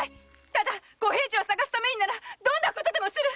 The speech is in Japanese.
ただ小平次を捜すためならどんな事でもする！